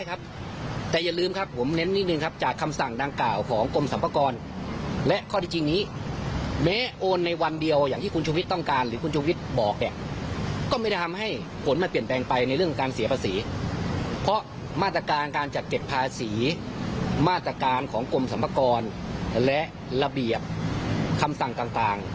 การเก็บภาษีมาตรการของกลมสรรพากรและระเบียบคำสั่งต่าง